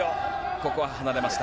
ここは離れました。